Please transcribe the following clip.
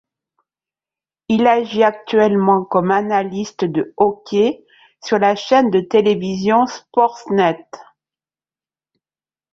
Il agit actuellement comme analyste de hockey sur la chaîne de télévision Sportsnet.